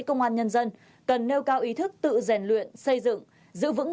công an nhân dân cần nêu cao ý thức tự rèn luyện xây dựng giữ vững